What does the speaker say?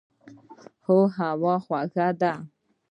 هوا خوږه ده.